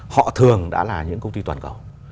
họ thường đã là những công ty toàn cầu